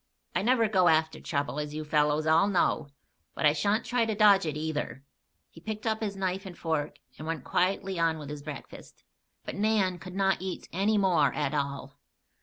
I never go after trouble, as you fellows all know; but I sha'n't try to dodge it, either." He picked up his knife and fork and went quietly on with his breakfast. But Nan could not eat any more at all.